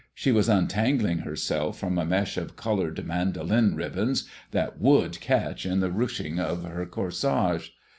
She was untangling herself from a mesh of coloured mandolin ribbons that would catch in the ruching of her corsage.